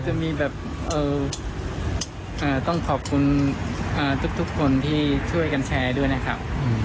จะมีแบบต้องขอบคุณทุกคนที่ช่วยกันแชร์ด้วยนะครับ